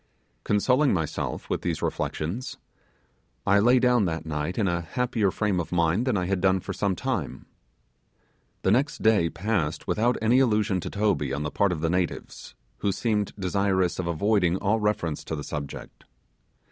Consoling myself with these reflections, I lay down that night in a happier frame of mind than I had done for some time. The next day passed without any allusion to Toby on the part of the natives, who seemed desirous of avoiding all reference to the subject.